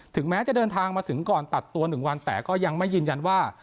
แม้จะเดินทางมาถึงก่อนตัดตัว๑วันแต่ก็ยังไม่ยืนยันว่า